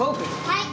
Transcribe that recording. はい。